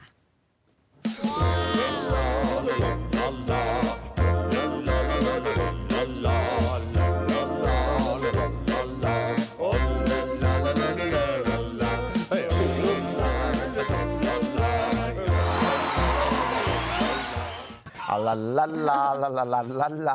อะลาลาลาลาลาลาลาลา